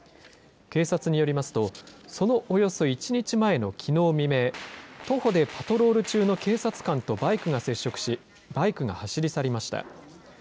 警察によりますと、そのおよそ１日前のきのう未明、徒歩でパトロール中の警察官とバイクが接触し、バイクが走り去りました。